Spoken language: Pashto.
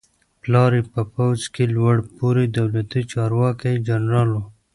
پلار یې په پوځ کې لوړ پوړی دولتي چارواکی جنرال و.